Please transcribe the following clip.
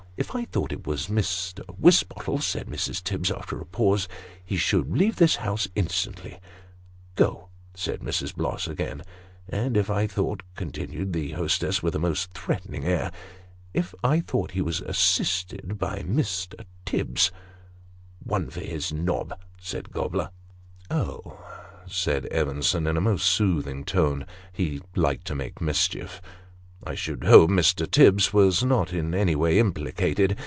" If I thought it was Mr. Wisbottle," said Mrs. Tibbs, after a pause, " he should leave this house instantly." " Go !" said Mrs. Bloss again. " And if I thought," continued the hostess with a most threatening air, " if I thought he was assisted by Mr. Tibbs "" One for his nob !" said Gobler. "Oh," said Evenson, in a most soothing tone he liked to make mischief " I should hope Mr. Tibbs was not in any way implicated.